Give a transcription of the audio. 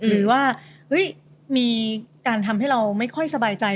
หรือว่ามีการทำให้เราไม่ค่อยสบายใจ